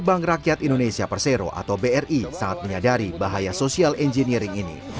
bank rakyat indonesia persero atau bri sangat menyadari bahaya social engineering ini